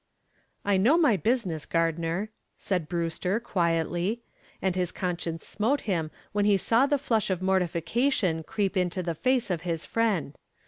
"I know my business, Gardner," said Brewster, quietly, and his conscience smote him when he saw the flush of mortification creep into the face of his friend.